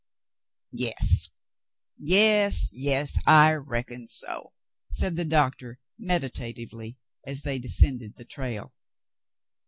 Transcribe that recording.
"Yes — yes — yes. I reckon so," said the doctor, medi tatively, as they descended the trail.